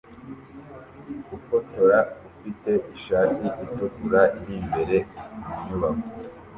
Ufotora ufite ishati itukura iri imbere mu nyubako